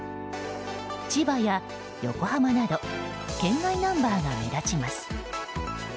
千葉や横浜など県外ナンバーが目立ちます。